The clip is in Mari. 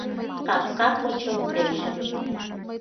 Капка почылтеш.